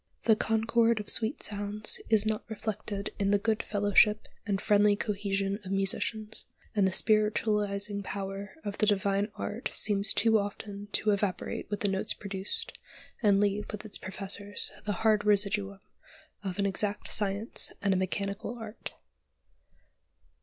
The "concord of sweet sounds" is not reflected in the good fellowship and friendly cohesion of musicians; and the spiritualising power of the divine art seems too often to evaporate with the notes produced, and leave with its professors the hard residuum of an exact science and a mechanical art.